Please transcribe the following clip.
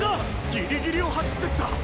ギリギリを走ってった！！